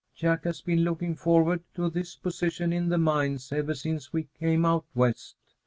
Jack has been looking forward to this position in the mines ever since we came out West.